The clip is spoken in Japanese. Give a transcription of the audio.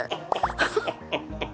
ハハハハハ！